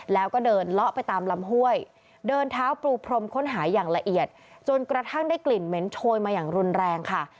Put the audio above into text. แล้วก็เดินเลาะไปตามลำห้วยเดินเท้าปรูพรมค้นหาอย่างละเอียดจนกระทั่งได้กลิ่นเหม็นโชยมาอย่างรุนแรงค่ะ